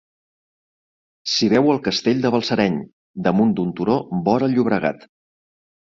S'hi veu el castell de Balsareny, damunt d'un turó vora el Llobregat.